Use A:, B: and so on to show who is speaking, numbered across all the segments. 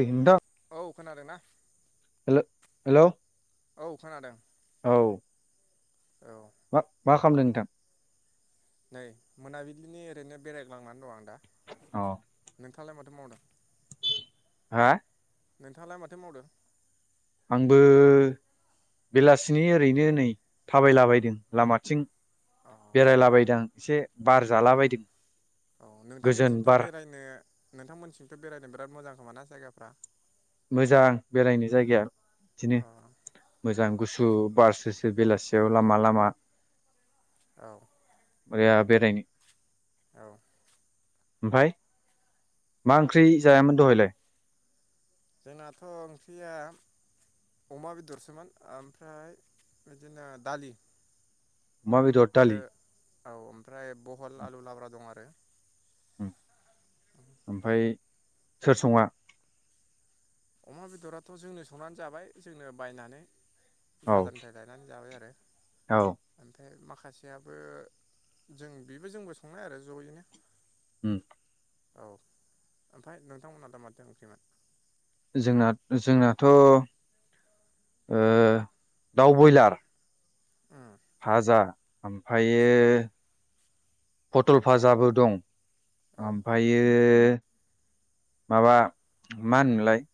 A: ओइ नोंथां
B: औ खोनादों ना?
A: [unintelligible] हेलौ
B: औ खोनादों
A: औ
B: औ
A: मा [unintelligible]
B: नै मोनाबिलिनि ओरैनो बेरायग्लांनानै दं आं दा
A: अ
B: नोंथांङालाय मा थो मावदों?
A: हा
B: नोंथांङालाय माथो मावदों?
A: आंबो बेलासिनि ओरैनो नै थाबायलाबायदों लामाथिं
B: अ
A: बेरायलाबायदों आं एसे बार जालाबायदों
B: औ
A: गोजोन
B: नोंथांमोनथिंथ'
A: बार
B: बेरायनो नोंथांमोनथिंथ' बेरायनो बिराद मोजां खोमा ना जायगाफ्रा?
A: मोजां बेरायनो जायगाया बिदिनो
B: अ
A: मोजां गु सु बार स्रो स्रो बेलासियाव लामा लामा
B: औ
A: बेरायनो
B: औ
A: ओमफ्राय मा ओंख्रि जायामोन दहायलाय?
B: जोंनाथ' ओंख्रिया अमा बेदरसोमोन ओमफ्राय बिदिनो दालि
A: अमा बेदर दालि
B: आरो औ ओमफ्राय बहल आलु लाब्रा दं आरो।
A: ओमफ्राय सोर सङा?
B: अमा बेदराथ' जोंनो संनानै जाबाय जोंनो बायनानै
A: औ
B: बाजारनिफ्राय लायनानै जाबाय आरो
A: औ
B: [unintelligible] ओमफ्राय माखा खासेयाबो जों बेबो जोंबो संनाय आरो जयैनो
A: उम
B: औ ओमफाय नोंथांमोनहा दा माथो ओंख्रैमोन?
A: जोंना जोंनाथ' ओ दाउ बयलार
B: ओम
A: फाजा ओमफायो फटल फाजाबो दं
B: औ
A: ओमफायो माबा मा होनोमोनलाय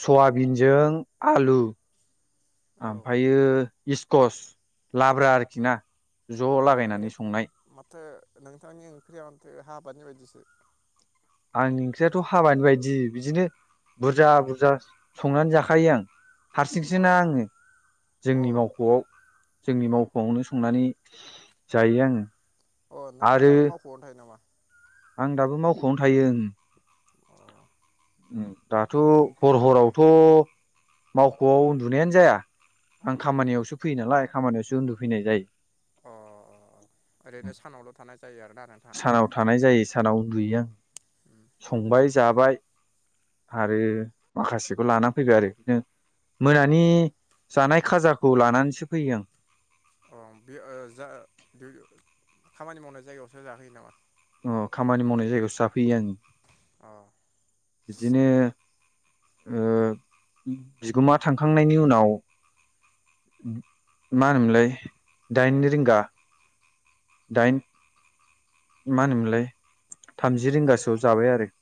A: सयाबिनजों आलु
B: औ ओ
A: ओमफ्रायो इस्कस लाब्रा आरोखि ना ज'
B: ओरै
A: लागायनानै संनाय
B: माथो नोंथांनि ओंख्रिया माथो हाबानि बायदिसो
A: आंनि ओंख्रियाथ' हाबानि बायदि बिदिनो बुरजा बुरजा संनानै जाखायो आं हारसिंसो
B: अ
A: ना आङो
B: अ
A: जोंनि मावख'आव जोंनि मावख'आवनो संनानै जायो आङो
B: अ नोंथाङा
A: आरो
B: दाबो मावख'आवनो थायो नामा
A: आं दाबो मावख'आवनो थायो
B: अ
A: दाथ' हर हरावथ' मावख'आव उन्दुनायानो जाया आं खामानियावसो फैयो नालाय खामानियावसो उन्दुफैनाय जायो
B: अ ओरैनो सानावल' थानाय जायो आरोना नोंथां
A: सानाव थानाय जायो सानाव उन्दुयो आं संबाय जाबाय आरो माखासेखौ लानानै फैबाय आरो बिदिनो मोनानि जानाय खाजाखौ लानानैसो फैयो आं
B: अ जा खामानि मावनाय जायगायावसो जाहैयो नामा
A: अ खामानि मावनाय जायगायावसो जाफैयो आं
B: अ
A: बिदिनो बिगोमा थांखांनायनि उनाव मा होनोमोनलाय दाइन रिंगा दाइन मा होनोमोनलाय थामजि रिंगासोआव जाबाय आरो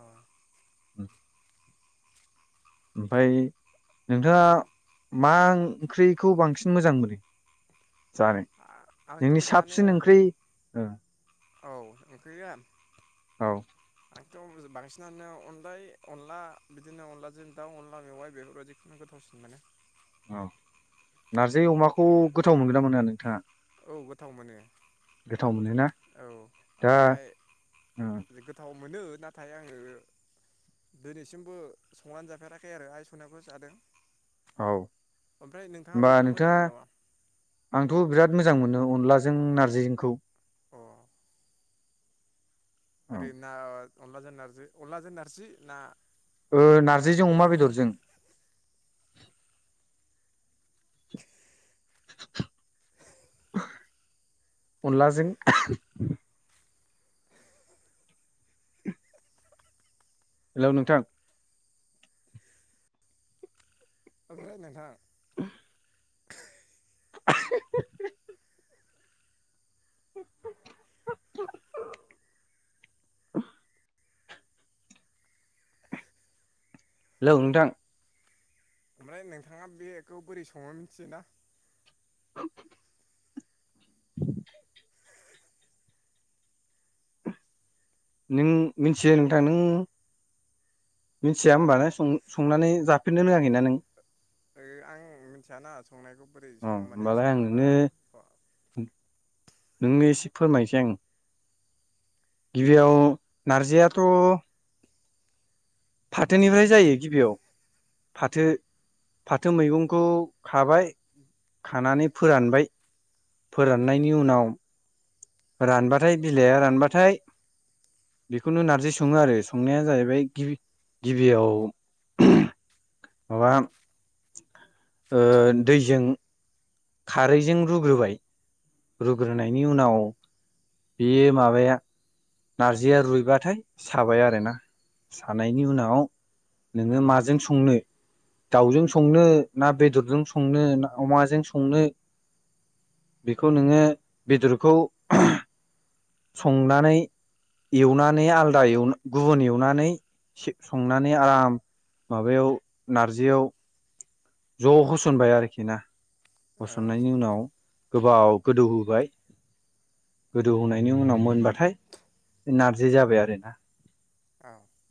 B: औ।
A: [inaudible] ओमफाय। नोंथाङा मा ओंख्रिखौ बांसिन मोजां मोनो जानो
B: आंथ'
A: नोंनि
B: जानो
A: साबसिन ओंख्रि ओ।
B: औ ओंख्रिया।
A: औ।
B: आंथ' बांसिनानो अनलाय अनला बिदिनो अनलाजों दाउ अनला मेवाइ बेफोरबायदिखौनो गोथावसिन मोनो।
A: औ नारजि
B: औ
A: अमाखौ गोथाव मोनगोन ना मोना नोंथाङा
B: औ गोथाव मोनो
A: गोथाव मोनोना?
B: औ
A: दा
B: ओमफ्राय
A: उम
B: गोथाव मोनो नाथाय आङो दोनैसिमबो संनानै जाफेराखै आरो आइ संनायखौ जादों।
A: औ
B: ओमफ्राय नोंथाङा
A: होनबा
B: बेखौनो मोजां
A: नोंथाङा
B: मोनो नामा
A: आंथ' बिराद मोजां मोनो अनलाजों नारजिजोंखौ।
B: अ।
A: औ
B: आरै ना। अनलाजों नारजि अनलाजों नारजि ना
A: ओ नारजिजों अमा बेदरजों अनलाजों। हेलौ नोंथां।
B: ओमफ्राय नोंथां।
A: [unintelligible] लौ नोंथां।
B: ओमफ्राय नोंथाङा बेखौ बोरै सङो मिथियोना?
A: [inaudible] [inaudible] नों मिथियो नोंथां नों मिथिया होमबाना सं संनानै जा फिननो रोङाखैना नों?
B: ओ आं मिनथियाना। संनायखौ बोरै
A: अ
B: सङो माने
A: होमबालाय आं
B: जाग्रा।
A: नोंनो नोंनो इसे फोरमायसै आं गिबियाव नारजियाथ' फाथोनिफ्राय जायो गिबियाव फाथो फाथो मैगंखौ खाबाय खानानै फोरानबाय। फोराननायनि उनाव रानबाथाय बिलाइआ रानबाथाय बेखौनो नारजि सङो आरो संनाया जाहैबाय गिबि गिबियाव [unintelligible] माबा ओ दैजों। खारैजों रुग्रोबाय रुग्रोनायनि उनाव बेयो माबाया नारजिया रुइबाथाय साबाय आरोना सानायनि उनाव नोङो माजों संनो दाउजों संनो ना बेदरजों संनो ना अमाजों संनो बेखौ नोङो बेदरखौ [unintelligible] संनानै एवनानै आलदा एव गुबुन एवनानै संनानै आराम माबायाव नारजियाव। ज' होसनबाय आरोखि ना।
B: औ
A: होस'ननायनि उनाव गोबाव गोदौहोबाय। गोदौहोनायनि उनाव मोनबाथाय नारजि जाबाय आरो ना।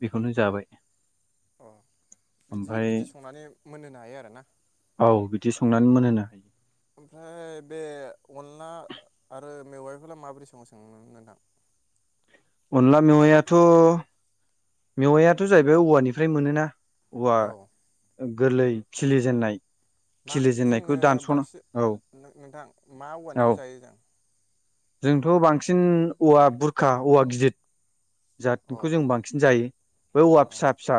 A: बेखौनो जाबाय।
B: औ बिदि
A: ओमफ्राय
B: बिदि संनानै मोनहोनो हायो आरोना।
A: औ बिदि संनानै मोनहोनो हायो
B: ओमफ्राय बे अनला आरो मेवाइखौलाय माबोरै सङो सङो नोंथां?
A: अनला मेवायाथ मेवायाथ' जाहैबाय औवानिफ्राय मोनोना। औवा
B: औ
A: ओ गोरलै खिलिजेननाय
B: मा
A: खिलिजेननायखौ
B: जोङो
A: दानस'ना औ
B: बांसिन नोंथां मा औवानिखौ
A: औ
B: जायो जों?
A: जोंथ' बांसिन औवा बुरखा औवा गिदिर
B: अ
A: जातखौ जों बांसिन जायो। औवा फिसा
B: अ
A: फिसा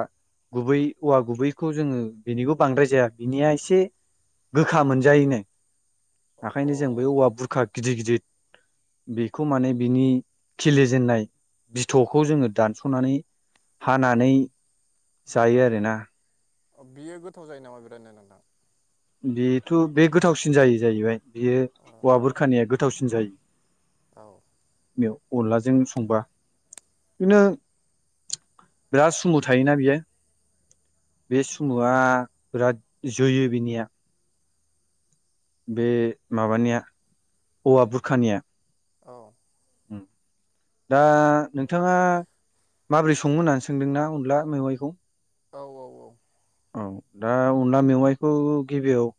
A: गुबै औवा गुबैखौ जोङो बेनिखौ बांद्राय जाया बिनिया एसे गोखा मोनजायोनो। आखायनो जों बे औवा बुरखा गिदिर गिदिर बेखौ माने बिनि खिलिजेनन्नाय बिथ'खौ जोङो दानस'नानै हानानै जायो आरोना।
B: अ बियो गोथाव जायो नामा बेरादनो नोंथां?
A: बिथ' बे गोथावसिन जायो जाहैबाय। बियो
B: अ
A: औवा बुरखानिया गोथ- थावसिन जायो
B: औ
A: बे अनलाजों संबा बिदिनो बिराद सुमु थायोना बियो बे
B: औ
A: सुमुआ बिराद जोयो बिनिया बे माबानिया औवा बुरखानिया दा नोंथाङा माब्रै सङो होननानै सोंदों ना अनला मेवाइखौ
B: औ औ औ
A: औ दा अनला मेवाइखौ गिबियाव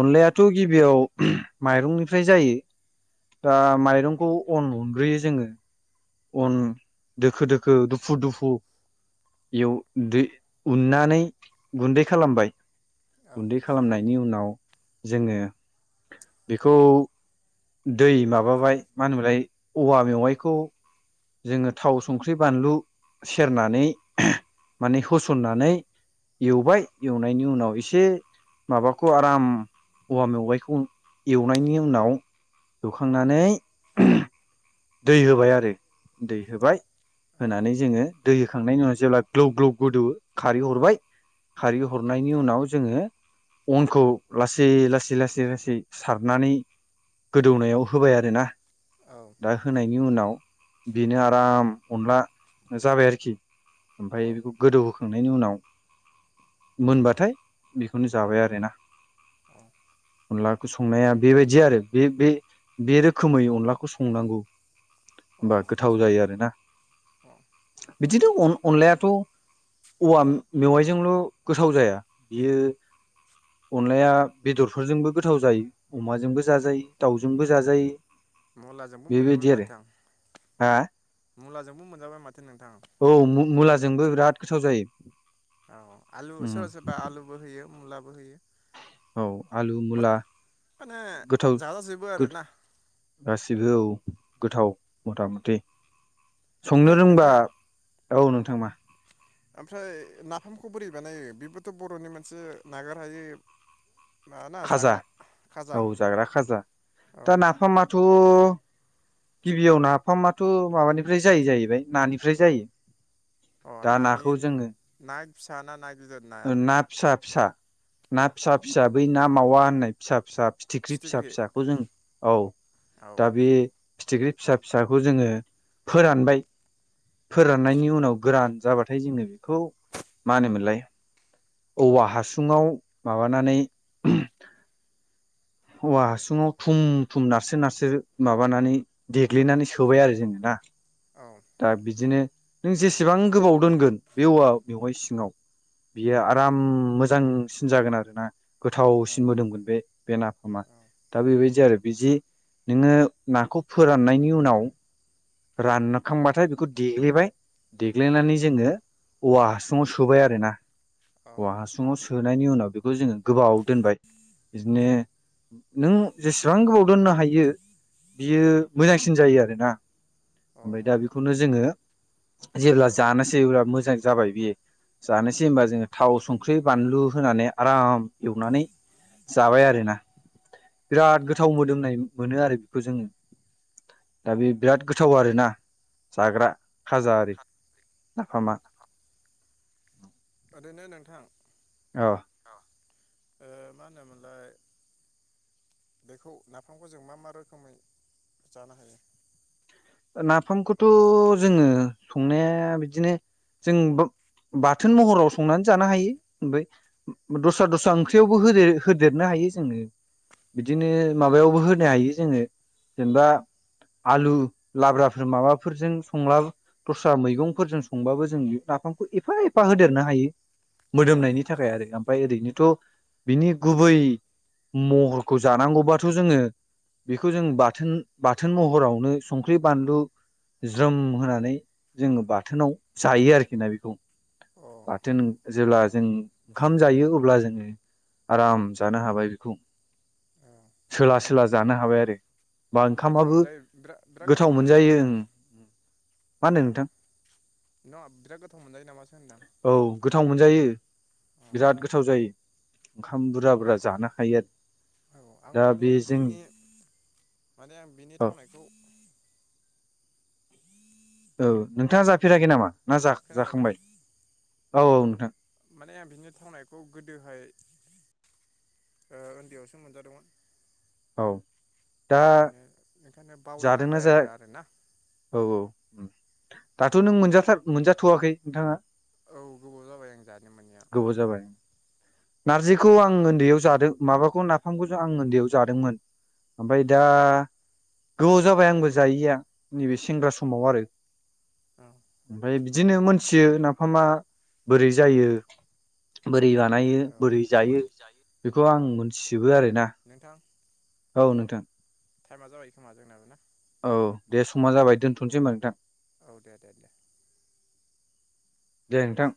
A: अनलायाथ गिबियाव माइरंनिफ्राय जायो दा माइरंखौ अन उनग्रोयो जोङो अन दोखो दोखो दुफु दुफु बेयाव उन्नानै गुन्दै खालामबाय
B: औ
A: गुन्दै खालामनायनि उनाव जोङो बेखौ दै माबाबाय मा होनोमोलाय औवा मेवाइखौ जोङो थाव संख्रि बानलु सेरनानै माने होसननानै एवबाय एवनायनि उनाव एसे माबाखौ आराम औवा मेवाइखौ एवनायनि उनाव एवखांनानै दै होबाय आरो दै होबाय
B: औ
A: होनानै जोङो दै होखांनायनि उनाव जेब्ला ग्लौ ग्लौ गोदौवो खारै हरबाय खारै हरनायनि उनाव जोङो अनखौ लासै लासै लासै लासै सारनानै गोदौनायाव होबाय आरोना
B: औ
A: दा होनायनि उनाव बेनो आराम अनला जाबाय आरोखि ओमफाय
B: औ
A: बेखौ गोदौहोखांनायनि उनाव मोनबाथाय बेखौनो जाबाय आरोना
B: औ
A: अनलाखौ संनाया बेबायदि आरो बे बे बे रोखोमै अनलाखौ सं संनांगौ होमबा गोथाव जायो आरोना [inaudible]
B: औ
A: बिदिनो अनलायाथ औवा मेवाइजोंल गोथाव जाया बियो अनलाया बेदरफोरजोंबो गोथाव जायो अमाजोंबो जाजायो दाउजोंबो जाजायो
B: मलाजोंबो मोनजाबाय
A: बेबायदि आरो
B: माथो आं
A: हा
B: मुलाजोंबो मोनजाबाय माथ
A: औ मुला जोंबो बिराद गोथाव जायो
B: औ आलु
A: उम
B: सोरबा सोरबा आलुबो होयो मुलाबो होयो
A: औ आलु
B: मा
A: मुला
B: माने
A: गोथाव
B: जाजाजोबो आरोना
A: [unintelligible] गासिबो गोथाव मथा मथि संनो
B: ओमफ्राय
A: रोंबा
B: नोंथां
A: औ [unintelligible]
B: ओमफ्राय नाफामखौ बोरै बानायो बेबोथ' बर'नि मोनसे नागार हायै माना
A: खाजा
B: जाग्रा खाजा
A: औ जाग्रा खाजा
B: औ
A: दा नाफामाथ' थ' गिबियाव नाफामाथ' माबानिफ्राय जायो जाहैबाय नानिफ्राय जायो
B: अ
A: दा
B: नानि
A: नाखौ जोङो
B: ना फिसा ना ना गिदिर नायालाय [inaudible]
A: ना फिसा फिसा ना फिसा फिसा बै ना मावा होननाय फिसा फिसा फिथिख्रि फिसा फिसाखौ जों औ
B: औ
A: दा बे फिथिख्रि फिसा फिसाखौ जोङो फोरानबाय फोराननायनि उनाव गोरान जाबाथाय जोङो बेखौ मा होनोमोनलाय औवा हासुङाव माबानानै उह औवा हासुङाव थुम थुम नारसो नारसो माबानानै देग्लिनानै सोबाय आरो जोङो ना
B: औ
A: दा बिदिनो नों जेसेबां गोबाव दोनगोन बे औवा मेवाइ सिङाव बियो आराम मोजांसिन जागोन आरो ना
B: औ
A: गोथावसिन मोदोमगोन बे बे ना फामा दा बेबायदि आरो बिदि नोङो नाखौ फोराननायनि उनाव रानखांबाथाय बेखौ देग्लिबाय देग्लिनानै जोङो औवा हासुङाव सोबाय आरोना
B: औ
A: औवा हासुङाव सोबाय सोनायनि उनाव बेखौ जोङो गोबाव दोनबाय बिदिनो नों जेसेबां गोबाव दोननो हायो बियो मोजांसिन जायो आरोना।
B: अ
A: ओमफ्राय दा बेखौनो जोङो जेब्ला जानोसै अब्ला मोजां जाबाय बेयो जानोसै होनबा जोङो थाव संख्रि बानलु होनानै आराम एवनानै जाबाय आरोना बिराद गोथाव मोदोमनाय मोनो आरो बेखौ जोङो दा बे बिराद गोथाव आरोना जाग्रा। खाजाआरि नाफामा
B: थारैनो नोंथां।
A: अ
B: ओ मा होनोमोनलाय बेखौ नाफामखौ जों मा मा रोखोमै जानो हायो।
A: नाफामखौथ' जोङो संनाया बिदिनो जों बाथोन महराव संनानै जानो हायो ओमफ्राय दस्रा दस्रा ओंख्रियावबोे होदेरनो हायो जोङो।
B: औ
A: बिदिनो माबायावबो हो होनो हायो जोङो जेनेबा आलु लाब्राफोर माबाफोरजों संला दस्रा मैगंफोरजों संबाबो जों नाफामखौ एफा एफा होदेरनो हायो।
B: औ
A: मोदोमनायनि थाखाय आरो। ओमफ्राय ओरैनोथ' बिनि गुबै महरखौ जानांगौबाथ' जोङो बेखौ जों बाथोन बाथोन महरावनो संख्रि बानलु ज्रोम होनानै जोङो बाथोनाव जायो आरोखि ना बेखौ
B: अ
A: बाथोन जेब्ला जों ओंखाम जायो अब्ला जोङो आराम जानो हाबाय बेखौ सोला सोला जानो हाबाय आरो। बा
B: गोथाव
A: ओंखामाबो
B: मोनजायो बिराद बिराद
A: गोथाव
B: नामा
A: मोनजायो ओं
B: नोंथां
A: मा
B: अ
A: होनो नोंथां
B: नङा बिराद गोथाव मोनजायो नामासो होनदां
A: [inaudible] औ गोथाव मोनजायो
B: अ
A: बिराद गोथाव जायो। खाम बुरजा बुरजा
B: आं
A: जानो हायो आ
B: औ आं
A: दा
B: माने
A: बे जों
B: बिनि माने आं बिनि
A: औ।
B: थावनायखौ
A: औ नोंथाङा जाफेराखै नामा? ना
B: खोनादोंना
A: जा-जाखांबाय? औ औ नोंथां।
B: माने आं बिनो थावनायखौ गोदोहाय ओ ओन्दैयावसो मोनजादोंमोन।
A: औ। दा
B: माने ओं खायनो
A: जादोंना
B: बावलायलांबाय आरो आरोना।
A: उम दाथ' नों मोनजाथार मोनजाथ'वाखै नोंथाङा?
B: औ गोबाव जाबाय आं जानो मोनैया
A: गोबाव जाबाय। नारजिखौ आं ओन्दैयाव जादो माबाखौ नाफामखौसो आं ओन्दैयाव जादोंमोन आमफाय दा गोबाव जाबाय आंबो जायैया नैबे सेंग्रा समाव आरो।
B: औ
A: आमफाय बिद दिनो मोनथियो नाफामा बोरै जायो बो रै बानायो
B: औ
A: बोरै जायो बेखौ आं मोन सिबो आरो
B: नोंथां।
A: औ नोंथां।
B: टाइमा जाबाय खोमा जोंनाबो ना?
A: औ दे समा जाबाय दोनथनसै होमबा नोंथां।
B: औ दे दे दे।
A: दे नोंथां।